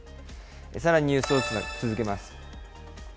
さらにニュースを続けます。